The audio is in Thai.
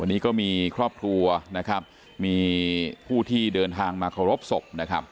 วันนี้ก็มีครอบครัวมีผู้ที่เดินทางมารบศพ